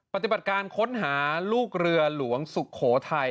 ปฏิบัติการค้นหาลูกเรือหลวงสุโขทัย